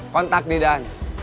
kontakt di dan